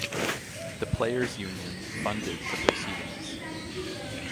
The Players' Union funded the proceedings.